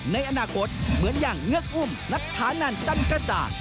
ในอนาคตเหมือนอย่างเงือกอุ้มนัทธานันจันกระจ่าง